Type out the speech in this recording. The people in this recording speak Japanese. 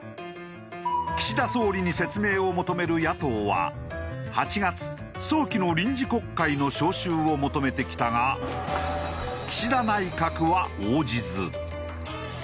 岸田総理に説明を求める野党は８月早期の臨時国会の召集を求めてきたが。と考えております。